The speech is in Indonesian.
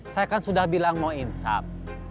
saya kan sudah bilang mau insaf